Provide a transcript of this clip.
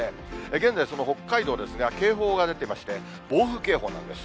現在、その北海道ですが、警報が出ていまして、暴風警報なんです。